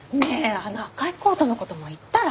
あの赤いコートの事も言ったら？